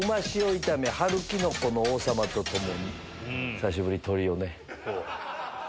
久しぶり鶏をね。